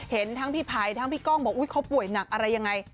เห็นทั้งพี่ภัยทั้งพี่ก้องบอกเขาป่วยหนักอะไรยังไง